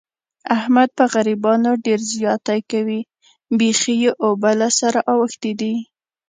احمد په غریبانو ډېر زیاتی کوي. بیخي یې اوبه له سره اوښتې دي.